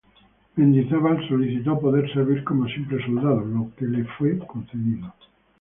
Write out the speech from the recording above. Mendizábal solicitó poder servir como simple soldado, lo que le fue concedido.